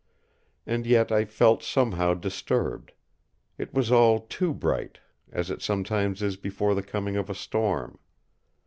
And yet I felt somehow disturbed. It was all too bright; as it sometimes is before the coming of a storm.